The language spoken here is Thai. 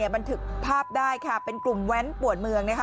บันทึกภาพได้ค่ะเป็นกลุ่มแว้นปวดเมือง